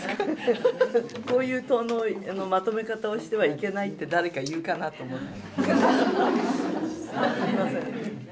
こういうまとめ方をしてはいけないって誰か言うかなと思って。